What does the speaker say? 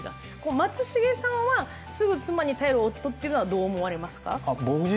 松重さんはすぐ妻に頼る夫というのは、どう思われますか？